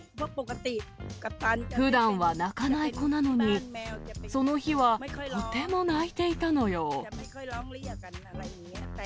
ふだんは鳴かない子なのに、その日はとても鳴いていたのよ。